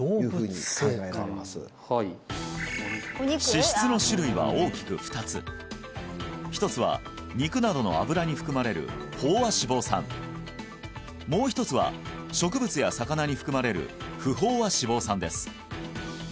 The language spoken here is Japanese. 脂質の種類は大きく２つ一つは肉などの脂に含まれる飽和脂肪酸もう一つは植物や魚に含まれる不飽和脂肪酸です